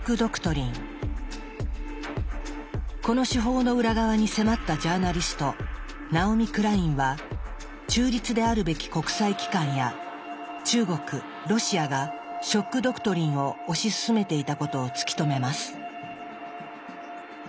この手法の裏側に迫ったジャーナリストナオミ・クラインは中立であるべき国際機関や中国ロシアが「ショック・ドクトリン」を推し進めていたことを突き止めます。